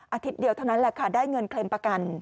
เดียวเท่านั้นแหละค่ะได้เงินเคลมประกัน